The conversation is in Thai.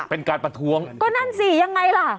เป็นการประท้วงก็นั่นสิยังไงล่ะ